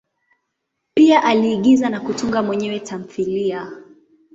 Pia aliigiza na kutunga mwenyewe tamthilia.